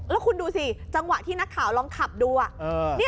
แล้วคุณดูสิจังหวะที่นักข่าวลองขับดู